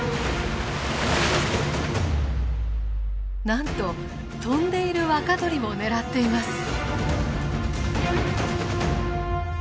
なんと飛んでいる若鳥を狙っています。